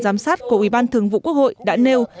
giám sát của ủy ban thường vụ quốc hội đã nêu